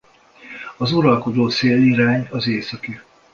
Az uralkodó szélirány az északi.